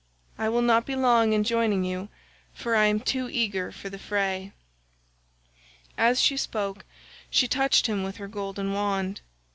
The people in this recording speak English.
I will not be long in joining you, for I too am eager for the fray." As she spoke she touched him with her golden wand.